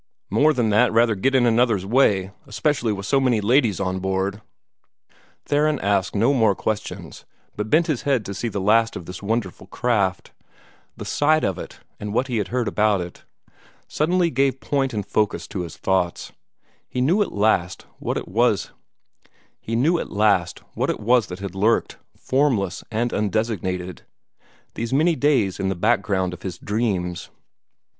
More than that rather get in one another's way, especially with so many ladies on board." Theron asked no more questions, but bent his head to see the last of this wonderful craft. The sight of it, and what he had heard about it, suddenly gave point and focus to his thoughts. He knew at last what it was that had lurked, formless and undesignated, these many days in the background of his dreams.